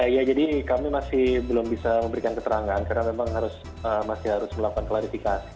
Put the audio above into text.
ya jadi kami masih belum bisa memberikan keterangan karena memang masih harus melakukan klarifikasi